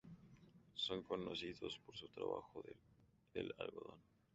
Son conocidos por su trabajo del algodón.